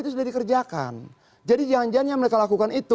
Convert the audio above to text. jadi jangan jangan mereka lakukan itu